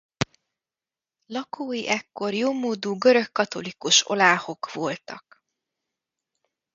Lakói ekkor jómódú görögkatolikus oláhok voltak.